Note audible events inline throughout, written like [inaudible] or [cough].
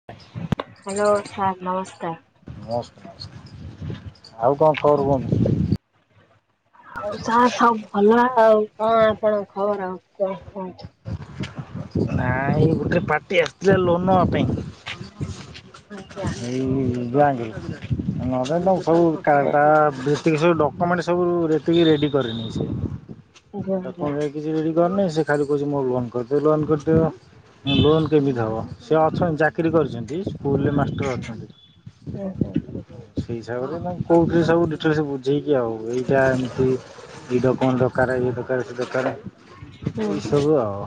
[unintelligible] Hello sir ନମସ୍କାର। ନମସ୍କାର ଆଉ କଣ ଖବର କୁହନ୍ତୁ? ଆଉ ସାର୍ ସବୁ ଭଲ ଆଉ କଣ ଆପଣ ଖବର ଆଉ କଣ କହୁ ନାଇଁ ଗୋଟେ ପାର୍ଟି ଆସିଥିଲା ଲୋନ ନବା ପାଇଁ। ଆଜ୍ଞା। ଏଇ ବ୍ୟାଙ୍କରୁ [inaudible] ହଉ କାରଟା [inaudible] ଡକ୍ୟୁମେଣ୍ଟ ସବୁ ରେ କିଛି ରେଡି କରିନି ସେ ଆଜ୍ଞା ଆଜ୍ଞା। ଡକୁମେଣ୍ଟ କିଛି ରେଡି କରିନି ସେ ଖାଲି କହୁଛି ମୋ ଲୋନ କହୁଚି ଲୋନ୍ କରିଦିଅ ଲୋନ୍ କେମିତି ହବ ସେ ଅଛନ୍ତି ଚାକିରି କରିଛନ୍ତି ସ୍କୁଲରେ ମାସ ଷ୍ଟର ଅଛନ୍ତି। ହୁଁ ହୁଁ। ସେଇ ହିସାବରେ ମୁଁ କହୁଥିଲି ସବୁ ଡିଟେଲସ ବୁଝେଇକି ଆଉ ଏଇଟା ଏମିତି କି ଡକୁମେଣ୍ଟ ଦରକାର ଇଏ ସର୍ଭିସ ଦରକାରେ ହୁଁ ଏଇସବୁ ହୁଁ ଆଉ।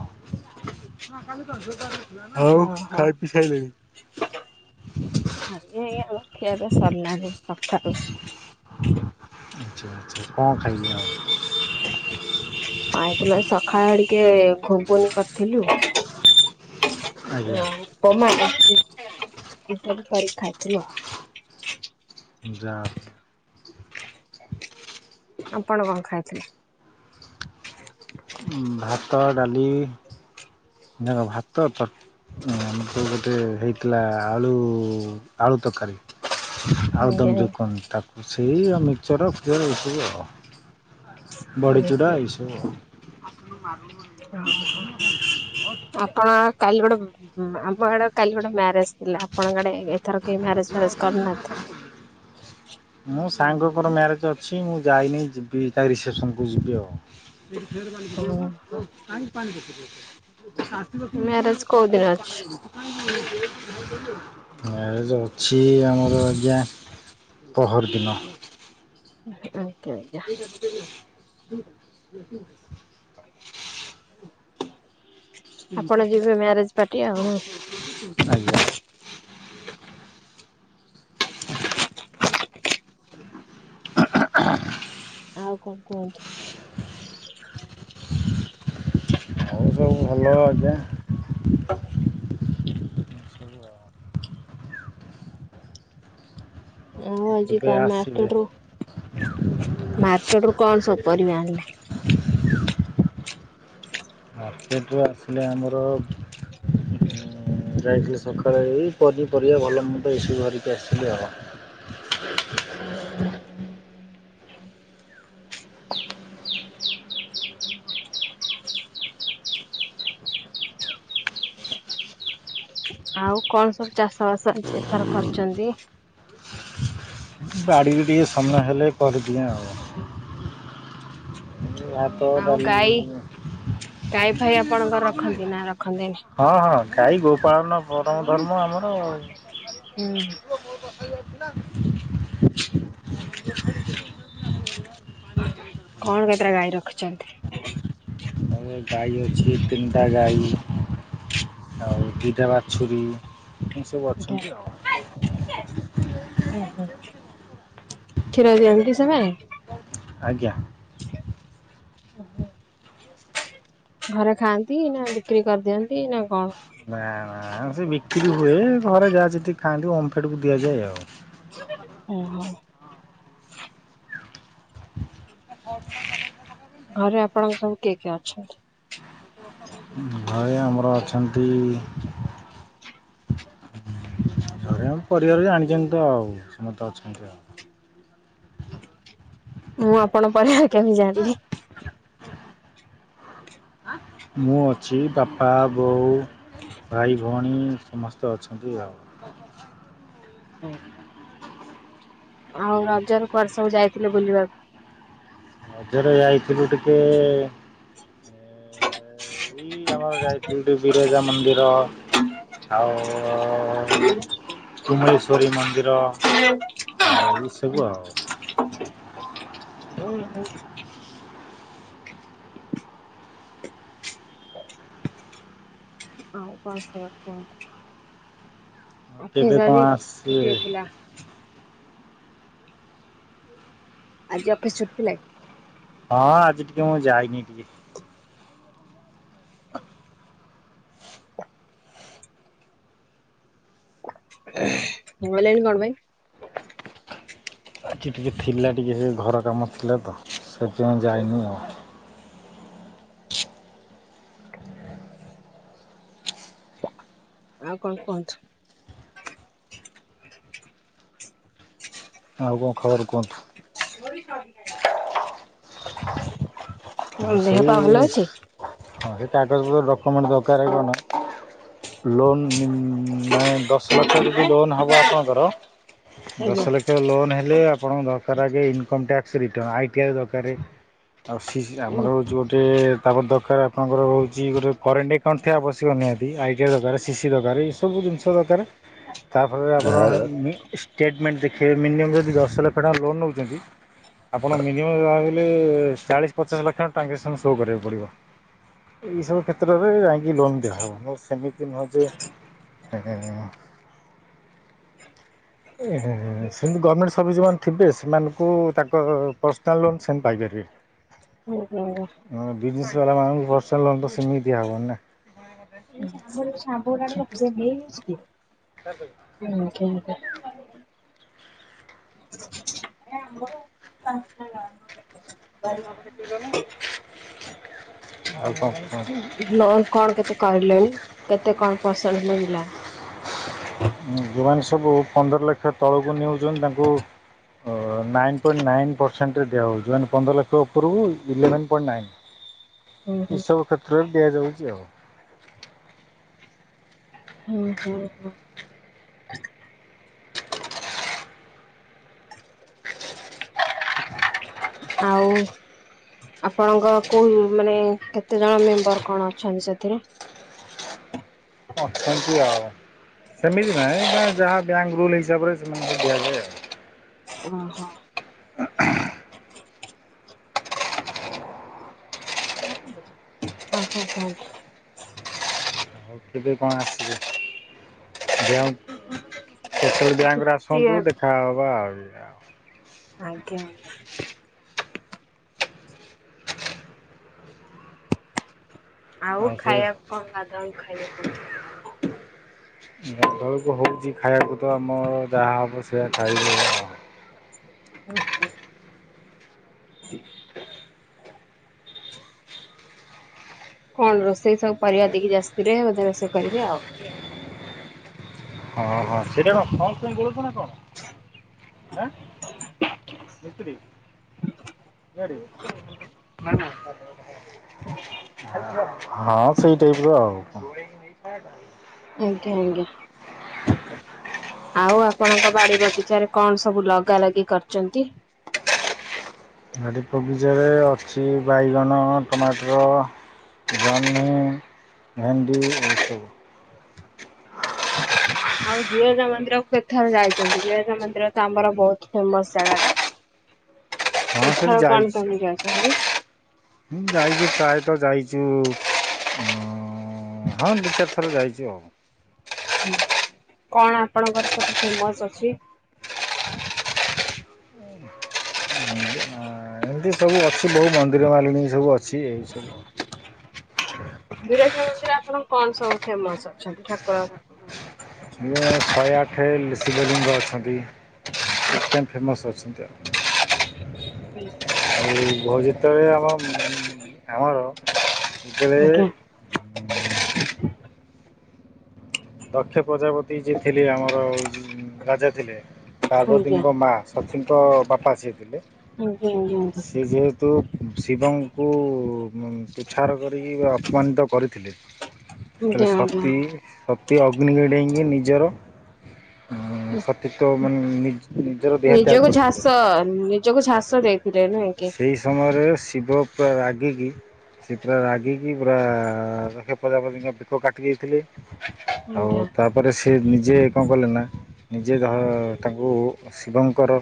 ଆଉ ଓହୋ ଖାଇ ପି ସାଇଲେଣି। ଆଜ୍ଞା ଏଇଆଉ ଖିଆପିଆ ସରିଲାଣି ସଖାଳୁ। ଆଛା ଆଛା କଣ ଖାଇଲେ ଆଉ? ଆଇଥିଲା ସଖାଳେଟିକେ ଘୁୁଗୁନି କରିଥିଲୁ। ଆଜ୍ଞା ନାଇଁ। ମା ପର ଖାଇଛି [inaudible] ଯା ଆପଣ କଣ ଖାଇଥିଲେ? ଭାତ ଡାଲି ନାଇଁ କଣ ଭାତ ତର ଆମକୁ ଗୋଟେ ହେଇଥିଲା ଆଳୁ ଆଳୁ ତରକାରୀ। ଆଜ୍ଞା ଆଳୁଦମ ଯଉ କୁହନ୍ତି ତାକୁ ସେଇ ଆଉ ମିକଚର ସେଇଆକୁ ମିସେଇକି ଆଉ। ବଢିଚୁରା ଆଜ୍ଞା ଏଇସବୁ ଆଉ। ଓହୋ ଆପଣ କାଲି ଗୋଟେ ଆମ ଆଡେ କାଲି ଗୋଟେ ମ୍ୟାରେଜ ଥିଲା ଆପଣଙ୍କ ଆଡେ ଏଥର କେହି ମ୍ୟାରେଜ ଫ୍ୟାରେଜ କରିନାହାଁନ୍ତି। ମୋ ସାଙ୍ଗଙ୍କର ମ୍ୟାରେଜ ଅଛି ମୁଁ ଯାଇନି ଯିବି ତା ରିସେପସନକୁୁ ଯିବି ଆଉ। ଫେ ପା ଓହୋ। ପ ପାଣି ପା ପ [inaudible] ସୁଡିଜାଇର ମ୍ୟାରେଜ କୋଉ ଦିନ ଅଛି ପା ପାଣି [inaudible] ମ୍ୟାରେଜ ଅଛି ଆମର ଆଜ୍ଞା ପହରଦିନ। [unintelligible] ଠିକ୍ ଅଛିି ଠିକ୍ ଅଛି। ଆପଣ ଯିବେ ମ୍ୟାରେଜ ପାର୍ଟି ଆଉ ନା। ଆଜ୍ଞା। [inaudible] ଆଉ କଣ କୁହନ୍ତୁ? ହଉ ସବୁ ଭଲ ଆଜ୍ଞା। ଆଉ ଆଜି କେବେ କଣ ଆସିବେ ମାର୍କେଟରୁ ମାର୍କେଟ ରୁ କଣ ସବୁ ପରିବା ଆଣିଲେ? ମାର୍କେଟରୁ ଆସିଲା ଆମର ଯାଇଥିଲି ସକାଳେ ପନିପରିବା ଭଲ ମୁ ତ ଏସବୁ ଧରିକି ଆସିଥିଲି ଆଉ [unintelligible] ଆଉ କଣ ସବୁ ଚାଷ ବାସ ଏଥର କରିଛନ୍ତି ବାଡିରେ ଟିକେ ସମୟ ହେଲେ କରିଦିଏ ଆଉ [unintelligible] ଆଉ ଗାଈ ଗାଈ ଫାଇ ଆପଣଙ୍କର ରଖନ୍ତି ନା ରଖନ୍ତିନି? ହଁ ହଁ ଗାଈ ଗୋପାଳନ ପରମ ଧର୍ମ ଆମର ହୁଁ [unintelligible] କଣ କେତେଟା ଗାଈ ରଖିଛନ୍ତି ଆ ଗାଈ ଅଛି ତିନିଟା ଗାଈ ଆଉ ଦିଟା ବାଛୁରୀ ଏ ସବୁ ଅଛନ୍ତି ଆଉ କ୍ଷୀର ଦିଅନ୍ତି କି ସେମାନେ ଆଜ୍ଞା ଓ ହୋ ଘରେ ଖାଆନ୍ତି ନା ବିକ୍ରି କରିଦିଅନ୍ତି ନା କଣ ନା ନା ସେ ବିକ୍ରି ହୁଏ ଘରେ ଯାହା ସେତିକି ଖାଆନ୍ତି ଓମଫେଡକୁୁ ଦିଆଯାଏ ଆଉ ଓ ହୋ [unintelligible] ଘରେ ଆପଣଙ୍କ ସବୁ କିଏ କିଏ ଅଛନ୍ତି ଘରେ ଆମର ଅଛନ୍ତି ଘରେଆ ପରିବାର ଜାଣିଛନ୍ତି ତ ଆଉ ସମସ୍ତେ ଅଛନ୍ତି ଆଉ ମୁଁ ଆପଣଙ୍କ ପରିବାର କେମିତି ଜାଣିଲି ମୁଁ ଅଛି ବାପା ବୋଉ ଭାଇ ଭଉଣୀ ସମସ୍ତେ ଅଛନ୍ତି ଆଉ ହୁଁ ଆଉ ରଜରେ କୁଆଡ ସବୁ ଯାଇଥିଲେ ବୁଲିବାକୁ ରଜରେ ଯାଇଥିଲୁ ଟିକେ ଏଇ ଆମର ଯାଇଥିଲୁ ଟିକେ ବିରଜା ମନ୍ଦିର ଆଉ କୁମଳେସ୍ୱେରୀ ମନ୍ଦିର ଆଉ ଏଇସବୁ ଆଉ ଓହୋ ହଉ କଣ ଖବର କୁହନ୍ତୁ କେବେ ଅଫିସ କଣ ଆଜି ଆସିବେ ଛୁଟି ଥିଲା ଆଜି ଅଫିସ ଛୁଟିଥିଲା ହଁ ଆଜି ଟିକେ ମୁଁ ଯାଇନି ଟିକେ ଗଲେନି କଣ ପାଇଁ ଆଜି ଟିକେ ଥିଲା ଟିକେ ସେ ଘର କାମ ଥିଲା ତ ସେଥିପାଇଁ ଯାଇନି ଆଉ ଆଉ କଣ କୁହନ୍ତୁ ଆଉ କଣ ଖବର କୁହନ୍ତୁ [unintelligible] ହଁ ଦେହ ସେଇ ପା ଭଲ ଅଛି ହଁ ସେ କାଗଜପତ୍ର ଡକ୍ୟୁମେଣ୍ଟ ଦରକାର ହେବ ନା ଲୋନ୍ ନାଇଁ ଦଶ ଲକ୍ଷ ଯଦି ଲୋନ୍ ହେବ ଆପଣଙ୍କର ଦଶ ଆଜ୍ଞା ଲକ୍ଷ ଲୋନ୍ ହେଲେ ଆପଣଙ୍କ ଦରକାର ଆଗେ ଇନକମ୍ ଟ୍ୟାକ୍ସ ରିଟର୍ଣ ଆଇଟିଆଇ ଦରକାର ଆଉ ସି ଆମର ହଉଚି ଗୋଟେ ତାପର ଦରକାର ଆପଣଙ୍କର ହଉଛି ଗୋଟେ କରେଣ୍ଟ ଏକଉଣ୍ଟ ଥିବା ଆବଶ୍ୟକ ନିହାତି ଆଇ ଟିକେଟ୍ ଦରକାର ସିସିି ଦରକାର ଏସବୁ ଜିନିଷ ଦରକାର ତାପରେ ଆପଣ ଷ୍ଟେଟମେଣ୍ଟ ଦେଖିବେ ମିନିମମ୍ ଯଦି ଦଶ ଲକ୍ଷ ଟଙ୍କା ଲୋନ୍ ନଉଛନ୍ତି ଆପଣ ମିନିମମ୍ ଯହାଲେ ଚାଳିଶ ପଚାଶ ଲକ୍ଷ ଟ୍ରାଞ୍ଜାକ୍ସନ୍ ସୋ କରିବାକୁ ପଡ଼ିବ। ଏଇ ସବୁ କ୍ଷେତ୍ରରେ ଯାଇକି ଲୋନ ଦିଆହବ ମୋ ସେମିତି ନୁହଁ ଯେ [unintelligible] [unintelligible] ସେମିତି ଗମେଣ୍ଟ ସର୍ଭିସ୍ ଯମାନେ ଥିବେ ସେମାନଙ୍କୁ ତାଙ୍କ ପର୍ସନାଲ୍ ଲୋନ୍ ସେମ୍ ପାଇପାରିବେ। ହୁ ହୁ, ବିଜନେସ୍ ବାଲା ମାନଙ୍କୁ ପସ୍ନାଲ୍ ଲୋନ ତ ସେମିତି ହବନ୍ ନା। ସାମ୍ପ [unintelligible] [inaudible] [unintelligible] ଏ ଆମର ଆଉ କଣ କୁଅନ୍ତୁ। ଲୋନ୍ କଣ କେତେ କରିଲେଣି କେତେ କଣ ପରସେଣ୍ଟ ମିିଲିଳା? ଯୋଉମାନେ ସବୁ ପନ୍ଦର ଲକ୍ଷ ତଳକୁ ନେଉଛନ୍ତି ତାଙ୍କୁ ନାଇନ୍ ପଏଣ୍ଟ ନାଇନ ପରସେଣ୍ଟରେ ଦିଆ ହଉଛି ମାନେ ପନ୍ଦର ଲକ୍ଷ ଉପରକୁ ଇଲେଭେନ ପଏଣ୍ଟ ନାଇନ୍। [inaudible] ଇ ହୁଁ ସବୁ କ୍ଷେତ୍ର ରେ ଦିଆ ଯାଉଛି ଆଉ। ହୁଁ ହୁଁ ହୁଁ। ଆପଣଙ୍କର କୋଉ ମାନେ କେତେ ଜଣ ମେମ୍ବର କଣ ଅଛନ୍ତି ସେଥିରେ? ଅଛନ୍ତି ଆଉ ସେମିତି ନାଇଁ ଯାହା ବ୍ୟାଙ୍କ ରୁଲ ହିସାବରେ ସେମାନଙ୍କୁ ଦିଆଯାଏ ଆଉ। ଓ ହୋ। ଅ [inaudible] ଛ [unintelligible] ହଉ କ କୁଅନ୍ତୁ? ଆଉ କେବେ କଣ ଆସିବେ ଦେହ [unintelligible] ରେ ଟିଏ ଆସନ୍ତୁ ଦେଖାହବା ଆଉରି ଆ ଆଜ୍ଞା। ଆଉ ଆଉ ସେ ଖାଇବା କଣ ଗାଧାଙ୍କୁ ଖାଇଲେ କୁଁ ତଳକୁ ହେଉଛି ଖାଇବାକୁ ତ ଆମର ଯାହା ହବ ସେଇୟଆ ଖାଇଆ ହୁଁ ହୁଁ। କଣ ରୋଷେଇ ସବୁ ପରିବା ଦେଇକି ଜାତିରେହ ବୋଧେ ରୋଷେଇ କରିବେ ଆଉ। ହଁ ହଁ ସେଇଟା କଣ କଣ [unintelligible] ନା କଣ? ଆଁ ମିସ୍ତ୍ରୀ ଗ [inaudible] ହଁ ସେଇ ଟାଇପ୍ ର ଆଉ। ଆଜ୍ଞା ଆଜ୍ଞା। ଆଉ ଆପଣଙ୍କ ବାଡି ବଗିଚାରେ କଣ ସବୁ ଲଗା ଲଗି କରିଛନ୍ତି? ଭଡ଼ି ବଗିଚାରେ ଅଛି ବାଇଗଣ ଟମାଟର। ଜନ୍ହି, ଭେଣ୍ଡି ଏଇ ସବୁ। [inaudible] ଆଉ ବିରଜା ମନ୍ଦିର କ୍ କେତେଥର ଯାଇଛନ୍ତି ବିରଜା ମନ୍ଦିର ତ ଆମର ବହୁତ ଫେମସ ଜାଗା ଟା। ହଁ ସେଠି କେଥର କଣ ଯାଇଛି। ତମ ଯ ଅଛନ୍ତି? ହୁଁ ଯାଇଛୁ ପ୍ରାୟତଃ ଯାଇଛୁ ଅଂ ହଁ ଦୁଇ ଚାରି ଥର ଯାଇଛୁ ଆଉ। କଣ ଆପଣଙ୍କର ସେଠି ଫେମସ୍ ଅଛି? ଏମିତି ସବୁ ଅଛି ବହୁ ମନ୍ଦିର ମାଲିଣୀ ସବୁ ଅଛି ଏଇ ସବୁ ବିରଜା ମନ୍ଦିର ଆପଣ କଣ ସବୁ ଫେମସ ଅଛନ୍ତି। ଠାକୁରଙ୍କ ଏ ଶହେ ଆଠ ଶିବଲିଙ୍ଗ ଅଛନ୍ତି। ସେଥି ପାଇଁ ଫେମସ୍ ଅଛନ୍ତି ଆଉ। [unintelligible] ଯେତେବେଳେ ଆମ ଆମର ଯେତେବେ ଆଜ୍ଞା ଦକ୍ଷ ପ୍ରଜାପତି ଯିଏ ଥିଲେ ଆମର ରାଜା ଥିଲେ। ଆଜ୍ଞା ପାର୍ବତୀଙ୍କ ମା ସତୀଙ୍କ ବାପା ସିଏ ଥିଲେ। ଆଜ୍ଞା ଆଜ୍ଞା ସିଏ ଯେହେ ତୁ ଶିବଙ୍କୁ ତୁଚାହର କରିକି ଅପମାନିତ କରିଥିଲେ। ସେତେବେଳେ ଆଜ୍ଞା। ଆଜ୍ଞା ଆଜ୍ଞା ସତୀ ସତୀ ଅଗ୍ନିକି ଡେଇଁକି ନିଜର ସତୀତ୍ୱ ମାନେ ନିଜର ଦେହତ୍ୟାଗ ନିଜକୁ କରିଥିଲେ ଝାସ ନିଜକୁ ନାଶ ଝାସ କରିଥିଲେ ଦେଇ ଦେ ନାଇକି? ସେଇ ସମୟରେ ଶିବ ପୁରା ରାଗିକି ସେ ପୁରା ରାଗିକି ପୁରା ରକ୍ଷ ପ୍ରଜାପତିଙ୍କ ବେକ କାଟି ଦେଇ ଥିଲେ। ଆଉ ଆଜ୍ଞା ତାପରେ ସେ ନିଜେ କଣ କଲେ ନା ନିଜେ ଧ ତାଙ୍କୁ ଶିବଙ୍କର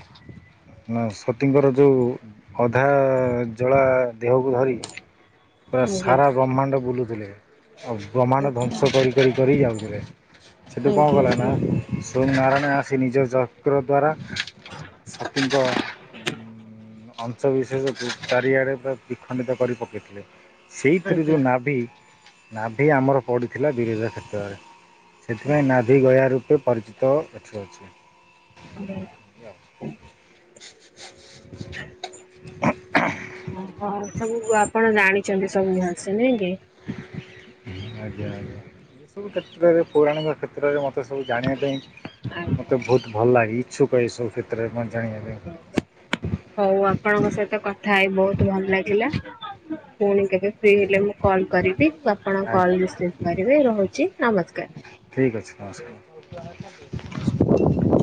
ନା ସତୀଙ୍କର ଯୋଉ ଅଧା ଜଳା ଦେହକୁ ଧରିକି ପୁରା ଆଜ୍ଞା ସାରା ବ୍ରହ୍ମାଣ୍ଡ ବୁଲୁଥିଲେ। ଆଉ ବ୍ରହ୍ମାଣ୍ଡ ଆଜ୍ଞା ଧ୍ୱସଂ କରି କରି କରି ଯାଉଥିଲେ। ସେଠୁ କଣ ଆଜ୍ଞା କଲା ନା ଆଜ୍ଞା ସ୍ୱଂ ନାରାୟଣ ଆସି ନିଜ ଚକ୍ର ଦ୍ଵାରା ସତୀ ଅଂଶ ବିିଶେଷ ଚାରିଆଡ଼େ ପୁରା ବିଖଣ୍ଡିତ କରି ପକାଇଥିଲେ। ସେଇଥିରୁ ଯୋଉ ଆଜ୍ଞା। ନାଭି ନାଭି ଆମର ପଡ଼ିଥିଲା ବିରଜା କ୍ଷେତ୍ରରେ। ସେଥିପାଇଁ ନାଭି ଗୟା ରୂପେ ପରିଚିତ ଏଠି ଅଛି। [unintelligible] ହଉ ସବୁ ଆପଣ ଜାଣିଛନ୍ତି ସବୁ ଭସେ ନି କି? ଆଜ୍ଞା ଆଜ୍ଞା ଏସବୁ କ୍ଷେତ୍ରରେ ପୌରାଣିକ କ୍ଷେତ୍ରରେ ମୋତେ ସବୁ ଜାଣିବା ପାଇଁ ଆଜ୍ଞା। ମତେ ବହୁତ ଭଲ ଲାଗେ। ଇଚ୍ଛୁକ ଏ ସବୁ କ୍ଷେତ୍ରରେ ଜାଣିବା ପାଇଁ। ହଉ ଆପଣଙ୍କ ସହିତ କଥା ହେଇ ବହୁତ ଭଲ ଲାଗିଲା। ପୁଣି କେବେ ଫ୍ରି ହେଲେ ମୁଁ କଲ୍ କରିବି ଆପଣ କଲ୍ ଆଜ୍ଞା ରିସିଭ୍ କରିବେ ରହୁଛି ନମସ୍କାର। ଠିକ୍ ଅଛି, ନମସ୍କାର। [unintelligible] [unintelligible]